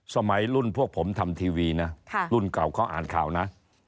สมัยรุ่นพวกผมทำทีวีนะรุ่นเก่าเขาอ่านข่าวนะ